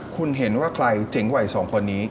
คุณเห็นว่าใครเจ๋งวัย๒คนนี้